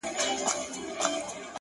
زه د هر چا ښو له کاره ويستمه!